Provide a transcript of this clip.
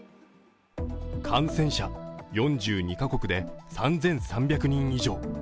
感染者、４２カ国で３３００人以上。